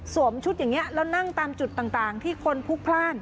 ชุดอย่างนี้แล้วนั่งตามจุดต่างที่คนพลุกพลาด